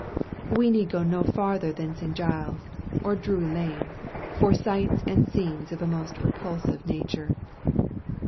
We need go no farther than St. Giles's, or Drury Lane, for sights and scenes of a most repulsive nature.